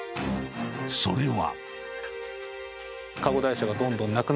［それは］